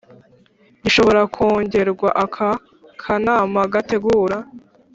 Gishobora kongerwa aka kanama gategura